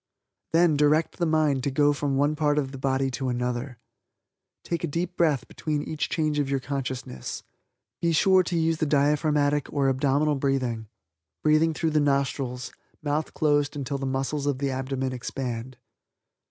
Then direct the mind to go from one part of the body to another. Take a deep breath between each change of your consciousness. Be sure to use the diaphragmatic or abdominal breathing breathing through the nostrils, mouth closed until the muscles of the abdomen expand.